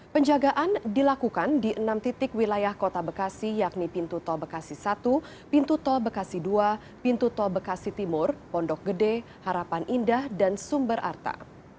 penjagaan dilakukan di enam titik wilayah kota bekasi yakni pintu tol bekasi satu pintu tol bekasi dua pintu tol bekasi timur pondok gede harapan indah dan sumber arta